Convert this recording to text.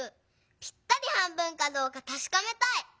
ぴったり半分かどうかたしかめたい！